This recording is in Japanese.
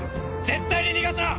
絶対に逃がすな！